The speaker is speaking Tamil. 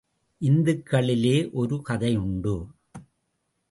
இந்துக்களிலே ஒரு கதையுண்டு.